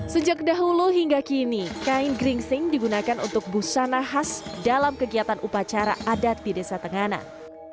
sejak dahulu hingga kini kain geringsing digunakan untuk busana khas dalam kegiatan upacara adat di desa tenganan